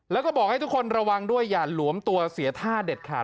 แล้วก็บอกให้ทุกคนระวังด้วยอย่าหลวมตัวเสียท่าเด็ดขาด